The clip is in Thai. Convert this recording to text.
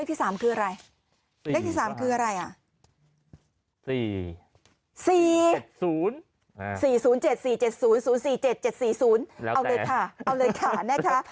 เอาเลยค่ะเอาเลยค่ะนะคะ